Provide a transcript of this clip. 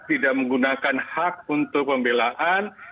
tidak menggunakan hak untuk pembelaan